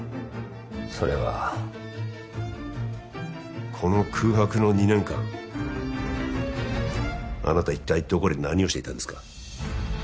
それはこの空白の２年間あなた一体どこで何をしていたんですか？